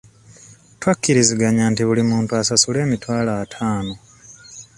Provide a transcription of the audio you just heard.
Twakkirizigannya nti buli muntu asasule emitwalo ataano.